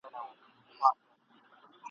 ستا تر پښو دي صدقه سر د هامان وي ..